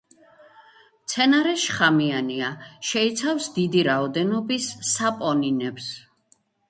მცენარე შხამიანია, შეიცავს დიდი რაოდენობით საპონინებს.